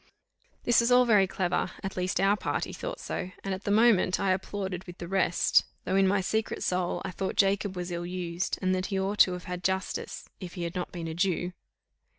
This was all very clever, at least our party thought so, and at the moment I applauded with the rest, though in my secret soul I thought Jacob was ill used, and that he ought to have had justice, if he had not been a Jew.